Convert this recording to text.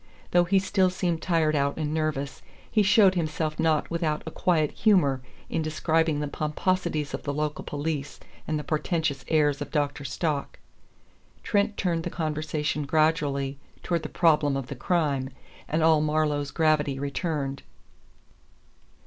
Though he still seemed tired out and nervous, he showed himself not without a quiet humor in describing the pomposities of the local police and the portentous airs of Dr. Stock. Trent turned the conversation gradually toward the problem of the crime, and all Marlowe's gravity returned.